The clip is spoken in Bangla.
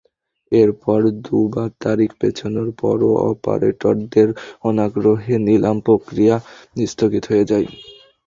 এরপর দুবার তারিখ পেছানোর পরও অপারেটরদের অনাগ্রহে নিলাম-প্রক্রিয়া স্থগিত হয়ে যায়।